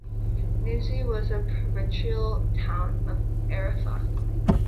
Nuzi was a provincial town of Arrapha.